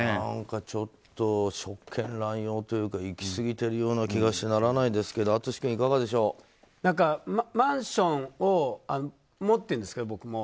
ちょっと、職権乱用というかいきすぎているような気がしてならないですけどマンションを持っているんですが僕も。